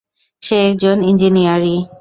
সে একজন ইন্জিনিয়ারি।